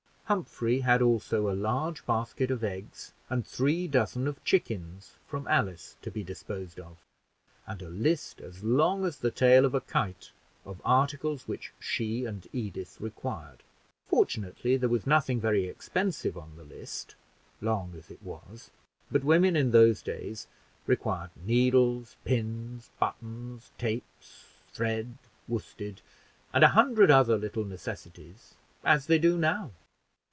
Humphrey had also a large basket of eggs and three dozen of chickens from Alice to be disposed of, and a list as long as the tail of a kite, of articles which she and Edith required; fortunately there was nothing very expensive on the list, long as it was but women in those days required needles, pins, buttons, tapes, thread, worsted, and a hundred other little necessaries, as they do now.